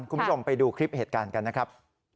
คุณผู้ชมไปดูคลิปเหตุการณ์กันนะครับ